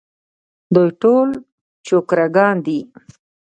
دوی ټول چوکره ګان دي.